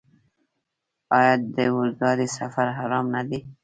آیا د اورګاډي سفر ارام نه دی؟